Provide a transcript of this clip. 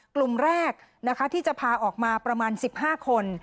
กลุ่มแรกนะคะที่จะพาออกมาประมาณสิบห้าคน